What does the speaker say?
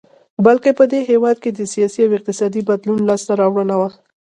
بلکې په دې هېواد کې د سیاسي او اقتصادي بدلون لاسته راوړنه وه.